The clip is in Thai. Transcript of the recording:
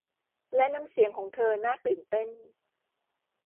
และน้ำเสียงของเธอน่าตื่นเต้น